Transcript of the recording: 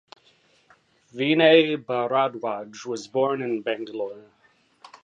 Vinay Bharadwaj was born in Bangalore.